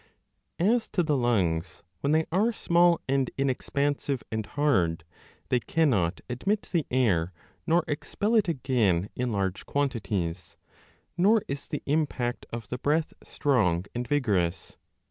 As to the lungs, when they are small and inexpansive and hard, they cannot admit the air nor expel it again in large quantities, nor is the impact of the breath strong and vigorous.